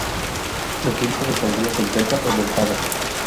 El tiempo de sangría se encuentra aumentado.